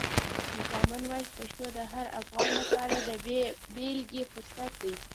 کامن وایس پښتو د هر افغان لپاره د بې بېلګې فرصت دی.